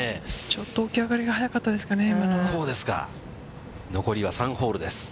ちょっと起き上がりが早かったですかね。